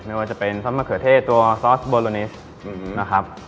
ไม่ว่าจะเป็นซอสมะเขือเทศตัวซอสโบโลนิสนะครับ